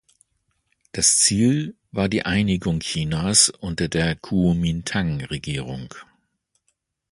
Das Ziel war die Einigung Chinas unter der Kuomintang-Regierung.